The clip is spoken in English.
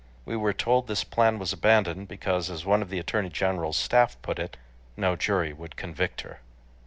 We were told this plan was abandoned because, as one of the Attorney General's staff put it, "No jury would convict her."